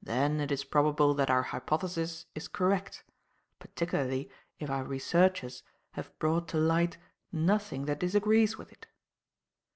Then it is probable that our hypothesis is correct, particularly if our researches have brought to light nothing that disagrees with it.